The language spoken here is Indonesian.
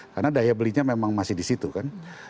karena daya belinya memang masih di situ kan